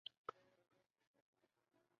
王居安墓在大溪西贡。